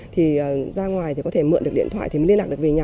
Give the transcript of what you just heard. thì ra ngoài thì có thể mượn được điện thoại thì mới liên lạc được về nhà